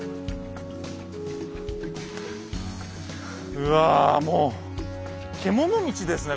うわもう獣道ですね